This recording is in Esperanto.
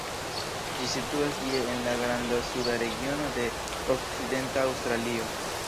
Ĝi situas je en la Granda Suda regiono de Okcidenta Aŭstralio.